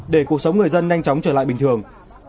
để cuộc sống người dân nhanh chóng trở lại bình thường